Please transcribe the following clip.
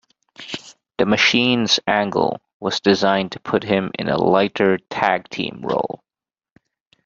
"The Machines" angle was designed to put him in a lighter tag-team role.